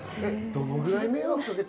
どのぐらい迷惑かけた？